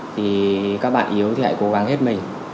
thì các bạn yếu thì lại cố gắng hết mình